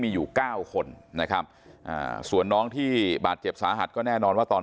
มีอยู่เก้าคนนะครับส่วนน้องที่บาดเจ็บสาหัสก็แน่นอนว่าตอน